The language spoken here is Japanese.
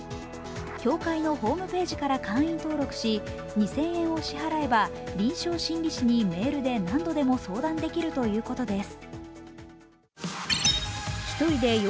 協会のホームページから会員登録し２０００円を支払えば臨床心理士にメールで何度でも相談できるということです。